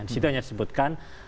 disitu hanya disebutkan